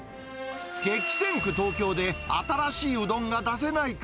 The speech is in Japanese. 激戦区、東京で新しいうどんが出せないか。